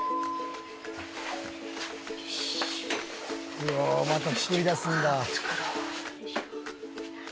うわあまた作り出すんだ。